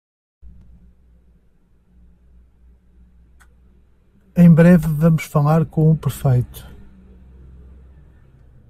Em breve vamos falar com o prefeito.